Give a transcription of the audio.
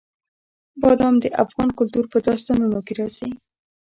بادام د افغان کلتور په داستانونو کې راځي.